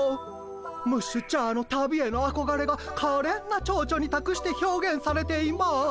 ムッシュチャーの旅へのあこがれがかれんなちょうちょにたくして表現されています。